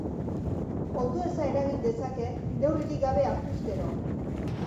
Ondoeza eragin dezake neurririk gabe hartuz gero.